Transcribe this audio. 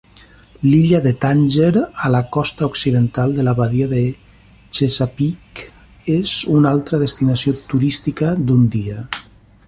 L'illa de Tànger, a la costa occidental de la badia de Chesapeake, és una altra destinació turística d'un dia.